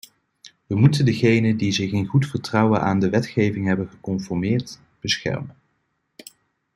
We moeten degenen die zich in goed vertrouwen aan de wetgeving hebben geconformeerd, beschermen.